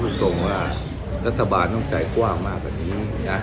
คุณพูดตรงว่ารัฐบาลต้องใจกว้างมากกว่านี้